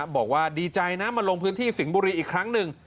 บอกว่าดีใจนะมาลงพื้นที่สิงห์บุรีอีกครั้งหนึ่ง